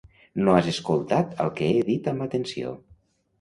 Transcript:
No has escoltat el que he dit amb atenció.